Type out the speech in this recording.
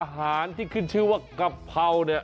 อาหารที่ขึ้นชื่อว่ากะเพราเนี่ย